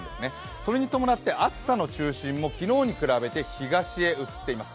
それに伴って暑さの中心も昨日に比べて東へ移っています。